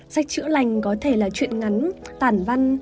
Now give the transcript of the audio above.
sách chữ lành có thể là chuyện ngắn tản văn